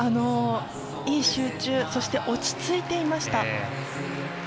いい集中そして、落ち着いていました。